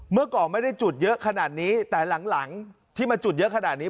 เมื่อก่อนไม่ได้จุดเยอะขนาดนี้แต่หลังที่มาจุดเยอะขนาดนี้